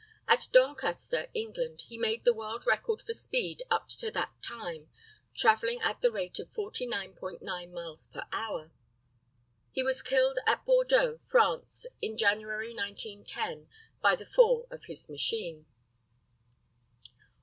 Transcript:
At Doncaster, England, he made the world record for speed up to that time, travelling at the rate of 49.9 miles per hour. He was killed at Bordeaux, France, in January, 1910, by the fall of his machine.